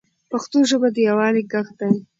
پښتو ژبه د یووالي ږغ دی.